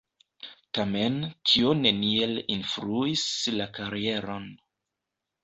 Tamen tio neniel influis la karieron.